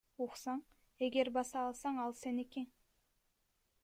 Уксаң, эгер баса алсаң ал сеники.